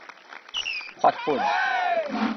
發粉